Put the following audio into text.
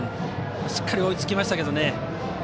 しっかり追いつきましたけどね。